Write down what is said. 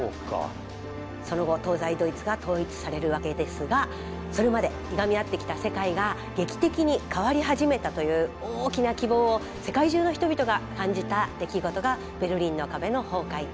その後東西ドイツが統一されるわけですがそれまでいがみ合ってきた世界が劇的に変わり始めたという大きな希望を世界中の人々が感じた出来事がベルリンの壁の崩壊。